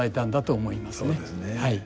そうですね。